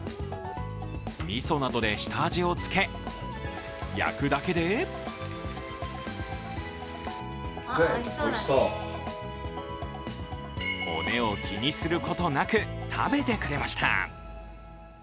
みそなどで下味をつけ焼くだけで骨を気にすることなく食べてくれました。